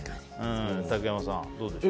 竹山さん、どうでしょう。